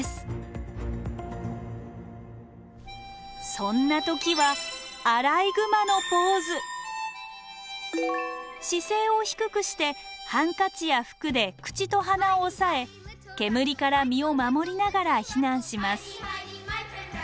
そんな時は姿勢を低くしてハンカチや服で口と鼻を押さえ煙から身を守りながら避難します。